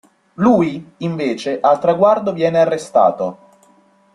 Lui, invece, al traguardo viene arrestato.